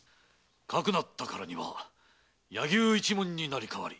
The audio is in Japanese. かくなったからには柳生一門に成り代わり